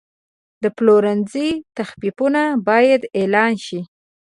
د پلورنځي تخفیفونه باید اعلان شي.